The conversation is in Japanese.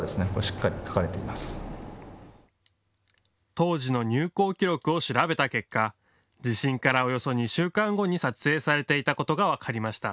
当時の入港記録を調べた結果、地震からおよそ２週間後に撮影されていたことが分かりました。